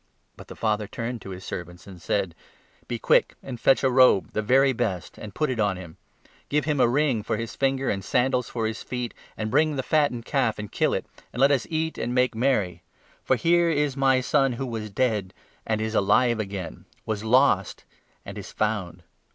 But the father turned to his servants and said ' Be quick and 22 fetch a robe — the very best — and put it on him ; give him a ring for his finger and sandals for his feet ; and bring the 23 fattened calf and kill it, and let us eat and make merry ; for here 24 is my son who was dead, and is alive again, was lost, and is found.'